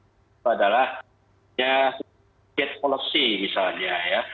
itu adalah gate policy misalnya ya